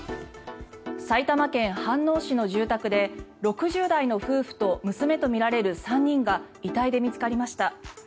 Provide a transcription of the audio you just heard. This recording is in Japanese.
埼玉県飯能市の住宅で６０代の夫婦と娘とみられる３人が遺体で見つかりました。